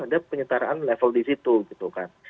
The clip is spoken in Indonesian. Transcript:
ada penyetaraan level di situ gitu kan